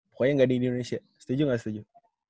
pokoknya gak di indonesia setuju gak setuju